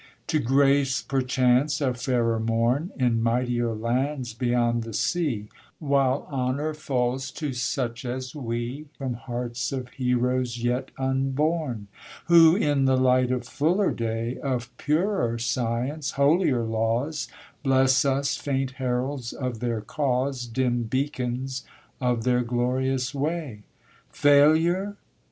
To grace, perchance, a fairer morn In mightier lands beyond the sea, While honour falls to such as we From hearts of heroes yet unborn, Who in the light of fuller day, Of purer science, holier laws, Bless us, faint heralds of their cause, Dim beacons of their glorious way. Failure?